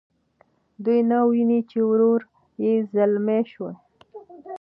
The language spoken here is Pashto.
دوی نه ویني چې ورور یې ځلمی شوی.